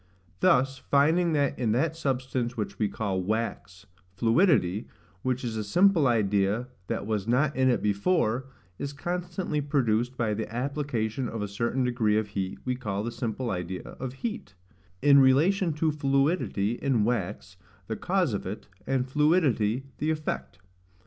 Thus, finding that in that substance which we call wax, fluidity, which is a simple idea that was not in it before, is constantly produced by the application of a certain degree of heat we call the simple idea of heat, in relation to fluidity in wax, the cause of it, and fluidity the effect.